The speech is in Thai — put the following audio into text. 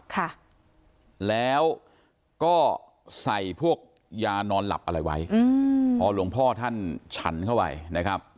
ค่ะแล้วก็ใส่พวกยานอนหลับอะไรไว้อืมพอหลวงพ่อท่านฉันเข้าไปนะครับ